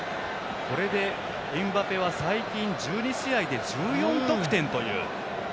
これでエムバペは最近１２試合で１４得点という。